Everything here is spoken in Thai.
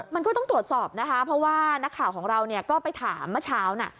มันก็ต้องตรวจสอบนะคะเพราะว่านักข่าวของเราก็ไปถามเมื่อเช้านะ